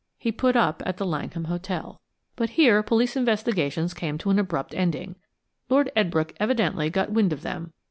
He put up at the Langham Hotel. But here police investigations came to an abrupt ending. Lord Edbrooke evidently got wind of them.